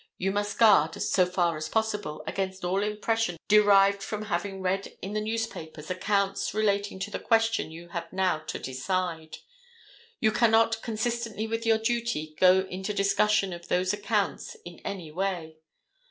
You must guard, so far as possible, against all impressions derived from having read in the newspapers accounts relating to the question you have now to decide. You cannot, consistently with your duty, go into discussion of those accounts in any way.